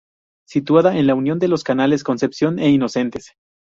Situada en la unión de los canales Concepción e Inocentes.